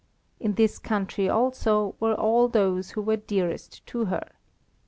In this country, also, were all those who were dearest to her.